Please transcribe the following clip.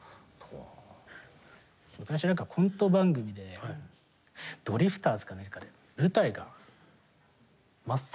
昔なんかコント番組でドリフターズか何かで舞台が真っ逆さま。